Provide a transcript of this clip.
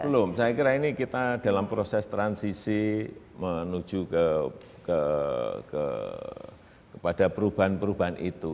belum saya kira ini kita dalam proses transisi menuju kepada perubahan perubahan itu